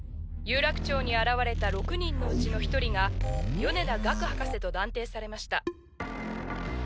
有楽町に現れた６人のうちの１人が米田我工博士と断定されました